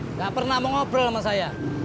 nggak pernah mau ngobrol sama saya